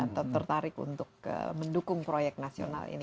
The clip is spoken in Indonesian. atau tertarik untuk mendukung proyek nasional ini